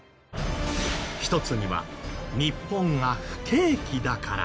一つには日本が不景気だから。